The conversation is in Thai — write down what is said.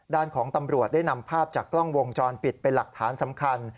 ด้านของตำรวจได้นำภาพจากกล้องวงจรปิดเป็นหลักฐานสำคัญ